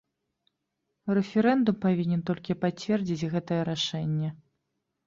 Рэферэндум павінен толькі пацвердзіць гэтае рашэнне.